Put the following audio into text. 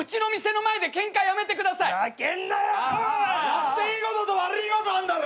やっていいことと悪いことあんだろ！